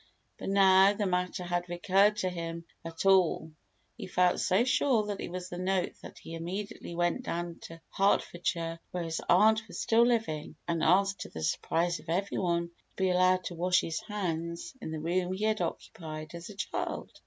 But now the matter had recurred to him at all he felt so sure that it was the note that he immediately went down to Hertfordshire, where his aunt was still living, and asked, to the surprise of every one, to be allowed to wash his hands in the room he had occupied as a child.